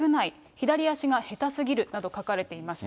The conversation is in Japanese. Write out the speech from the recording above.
左足が下手すぎるなど書かれていました。